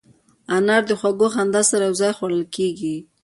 انار د خوږ خندا سره یو ځای خوړل کېږي.